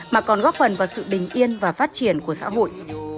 mà còn góp phần vào sự bình yên và phát triển của xã hội